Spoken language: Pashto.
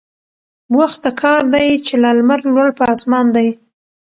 وخت د كار دى چي لا لمر لوړ پر آسمان دى